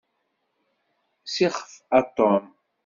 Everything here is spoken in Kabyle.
Sixef a Tom.